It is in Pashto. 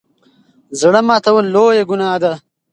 زړه ماتول لويه ګناه ده.